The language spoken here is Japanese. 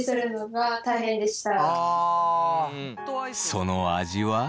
その味は？